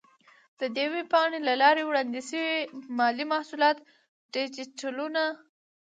د دې ویب پاڼې له لارې وړاندې شوي مالي محصولات ډیجیټلونه،